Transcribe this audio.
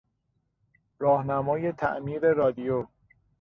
راهنمای تعمیر رادیو